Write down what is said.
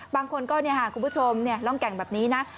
บางคนก็คุณผู้ชมร่องแก่งแบบนี้นะ